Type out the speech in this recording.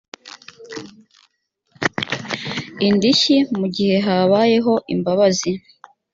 indishyi mu gihe habayeho imbabazi